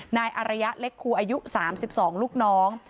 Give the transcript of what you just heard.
นายอารยะเล็กครูอายุ๓๒ลูกน้อง